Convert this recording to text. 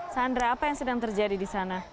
sandra apa yang sedang terjadi disana